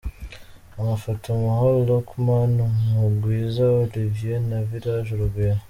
Amafoto: Mahoro Luqman, Mugwiza Olivier na Village Urugwiro.